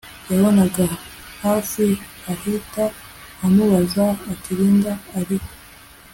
yabonaga hafi ahita amubaza ati Linda arihe